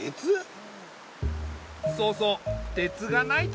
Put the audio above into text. そうそう鉄がないとね。